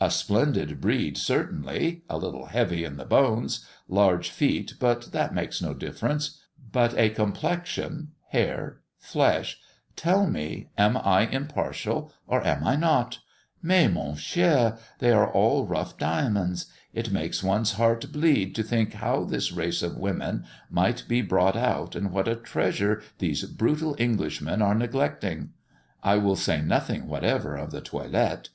A splendid breed, certainly a little heavy in the bones large feet, but that makes no difference but a complexion hair flesh tell me, am I impartial, or am I not? Mais, mon cher, they are all rough diamonds. It makes one's heart bleed, to think how this race of women might be brought out, and what a treasure these brutal Englishmen are neglecting! I will say nothing whatever of the toilet.